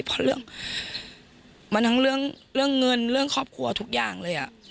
เพราะเรื่องมันทั้งเรื่องเงินเรื่องครอบครัวทุกอย่างเลย